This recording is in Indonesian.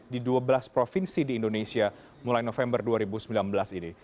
di dua belas provinsi di indonesia mulai november dua ribu sembilan belas ini